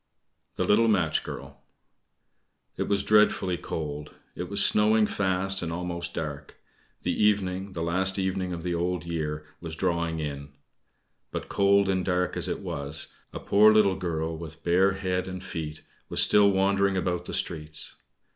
THE LITTLE MATCH GIRL It was dreadfully cold, it was snowing fast, and almost dark; the evening the last evening of the Old Year was drawing in. But cold and dark as it was, a poor little girl, with bare head and feet, was still wandering about the streets.